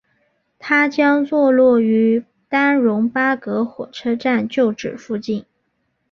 它将坐落于丹戎巴葛火车站旧址附近。